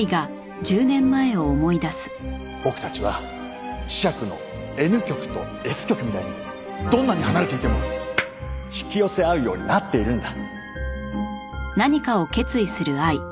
僕たちは磁石のＮ極とＳ極みたいにどんなに離れていても引き寄せ合うようになっているんだ。